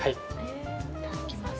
いただきます。